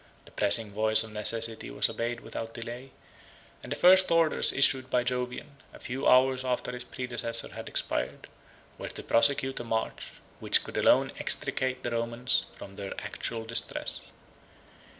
The pressing voice of necessity was obeyed without delay; and the first orders issued by Jovian, a few hours after his predecessor had expired, were to prosecute a march, which could alone extricate the Romans from their actual distress.